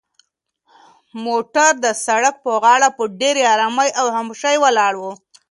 موټر د سړک په غاړه په ډېرې ارامۍ او خاموشۍ ولاړ و.